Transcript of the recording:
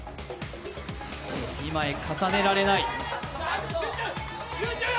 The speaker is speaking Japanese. ２枚重ねられない。